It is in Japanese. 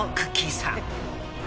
さん。